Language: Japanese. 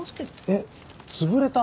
えっ潰れた？